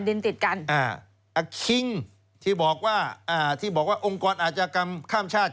ดินติดกันอ่าอาคิงที่บอกว่าอ่าที่บอกว่าองค์กรอาชญากรรมข้ามชาติ